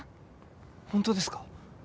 本当ですか？